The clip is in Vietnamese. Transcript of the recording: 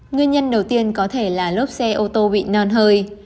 nguyên nhân đầu tiên có thể là lốp xe ô tô bị non hơi